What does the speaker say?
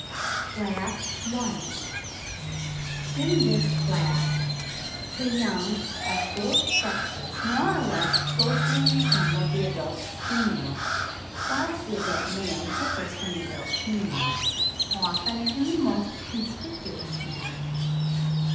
CLASS I. — In this class, the young of both sexes more or less closely resemble the adult female, whilst the adult male differs from the adult female, often in the most conspicuous manner.